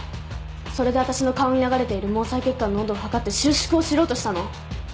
それでわたしの顔に流れている毛細血管の温度を測って収縮を知ろうとしたの？